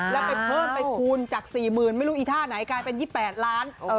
แล้วไปเพิ่มไปคูณจาก๔๐๐๐ไม่รู้อีท่าไหนกลายเป็น๒๘ล้าน